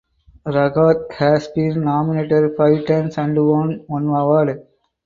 Rahat has been nominated five times and won one award.